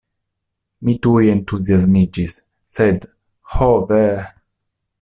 Mi tuj entuziasmiĝis; sed, ho ve!